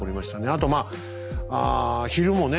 あとまあ昼もね